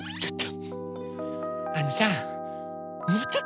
ちょっと！